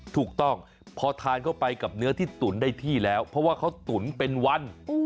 ถูกต้องพอทานเข้าไปกับเนื้อที่ตุ๋นได้ที่แล้วเพราะว่าเขาตุ๋นเป็นวัน